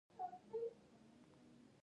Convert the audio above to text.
هندوکش د ګټورتیا یوه مهمه برخه ده.